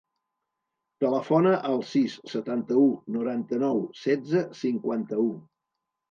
Telefona al sis, setanta-u, noranta-nou, setze, cinquanta-u.